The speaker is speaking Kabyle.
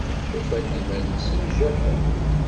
Ufan-d iman-nsen jaḥen.